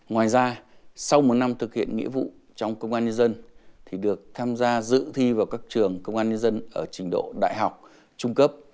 nhiều năm thực hiện nghĩa vụ trong công an nhân dân thì được tham gia dự thi vào các trường công an nhân dân ở trình độ đại học trung cấp